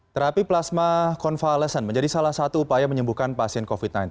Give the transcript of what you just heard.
terapi plasma konvalesen menjadi salah satu upaya menyembuhkan pasien covid sembilan belas